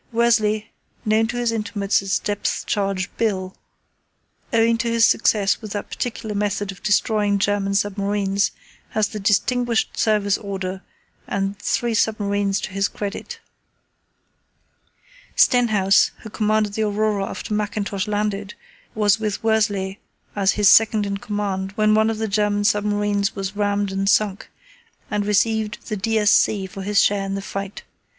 Worsley, known to his intimates as Depth Charge Bill, owing to his success with that particular method of destroying German submarines, has the Distinguished Service Order and three submarines to his credit. Stenhouse, who commanded the Aurora after Mackintosh landed, was with Worsley as his second in command when one of the German submarines was rammed and sunk, and received the D.S.C. for his share in the fight.